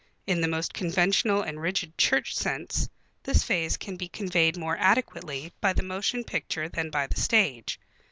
In the most conventional and rigid church sense this phase can be conveyed more adequately by the motion picture than by the stage.